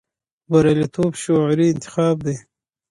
بریالیتوب شعوري انتخاب دی.